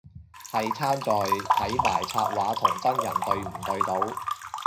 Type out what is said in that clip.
係差在睇埋插畫同真人對唔對到